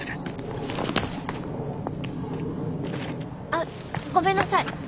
あっごめんなさい。